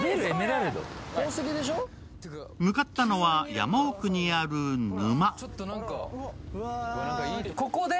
向かったのは山奥にある沼。